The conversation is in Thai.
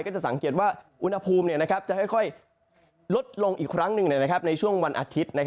จะสังเกตว่าอุณหภูมิจะค่อยลดลงอีกครั้งหนึ่งในช่วงวันอาทิตย์